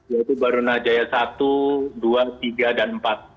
yaitu baru najaya satu dua tiga dan empat